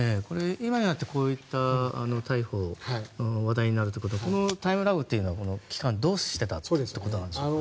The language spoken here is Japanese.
今になって、こういった逮捕話題になるということはこのタイムラグというのはこの期間どうしていたということなんでしょうか。